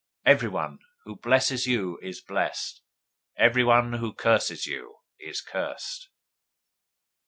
Everyone who blesses you is blessed. Everyone who curses you is cursed.